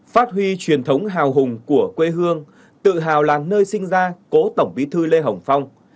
phát huy truyền thống hào hùng của quê hương tự hào là nơi sinh ra cố tổng bí thư lê hồng phong